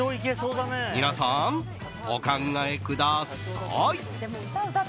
皆さん、お考えください。